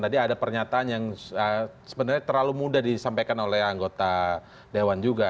nanti ada kewenangan polisian juga